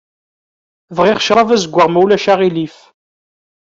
Bɣiɣ ccṛab azeggaɣ ma ulac aɣilif.